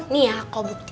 nih aku buktiin